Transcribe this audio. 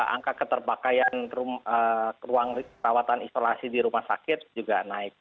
angka keterpakaian ruang perawatan isolasi di rumah sakit juga naik